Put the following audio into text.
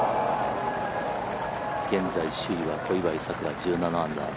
現在、首位は小祝さくら１７アンダー。